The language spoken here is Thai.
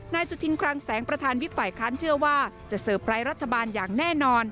สุธินคลังแสงประธานวิบฝ่ายค้านเชื่อว่าจะเตอร์ไพรส์รัฐบาลอย่างแน่นอน